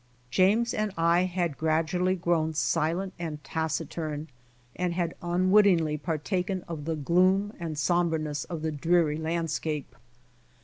James and I had gradually grown silent and taciturn, and had unwittingly partaken of the gloom and somberness of the dreary landscape.